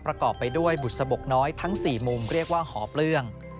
ประกอบไปด้วยบุษบกน้อยทั้ง๔มุมเรียกว่าหอเปลื้อง